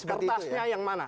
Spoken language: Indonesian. kertasnya yang mana